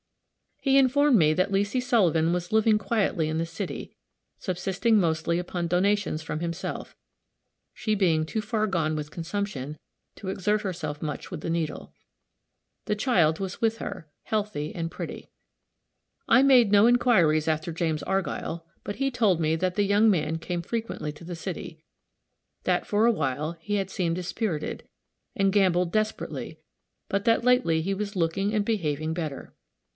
He informed me that Leesy Sullivan was living quietly in the city, subsisting mostly upon donations from himself, she being too far gone with consumption to exert herself much with the needle. The child was with her, healthy and pretty. I made no inquiries after James Argyll, but he told me that the young man came frequently to the city; that, for a while, he had seemed dispirited, and gambled desperately, but that lately he was looking and behaving better.